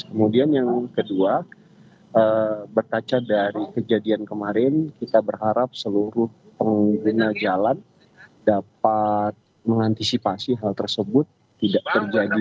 kemudian yang kedua berkaca dari kejadian kemarin kita berharap seluruh pengguna jalan dapat mengantisipasi hal tersebut tidak terjadi